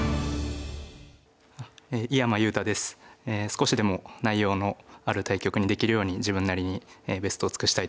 少しでも内容のある対局にできるように自分なりにベストを尽くしたいと思います。